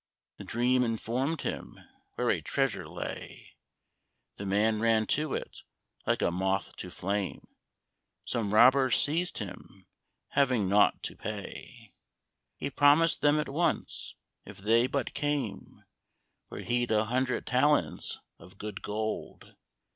The dream informed him where a treasure lay: The man ran to it, like a moth to flame. Some robbers seized him. Having nought to pay, He promised them at once, if they but came Where he'd a hundred talents of good gold.